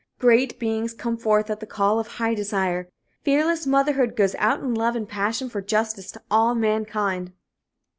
Great beings come forth at the call of high desire. Fearless motherhood goes out in love and passion for justice to all mankind.